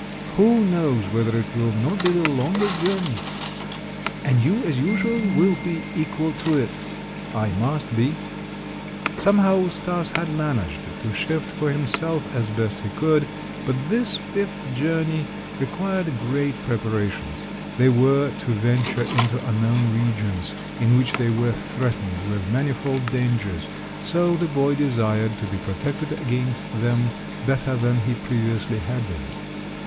Who knows whether it will not be the longest journey?" "And you, as usual, will be equal to it." "I must be." Somehow Stas had managed to shift for himself as best he could, but this fifth journey required great preparations. They were to venture into unknown regions in which they were threatened with manifold dangers, so the boy desired to be protected against them better than he previously had been.